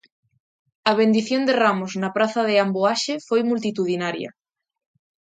A bendición de Ramos na praza de Amboaxe foi multitudinaria.